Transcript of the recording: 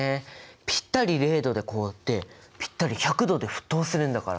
ピッタリ０℃で凍ってピッタリ１００℃で沸騰するんだから！